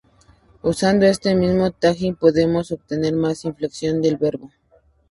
Usando este mismo kanji podemos obtener más inflexiones del verbo.